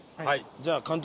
じゃあ監督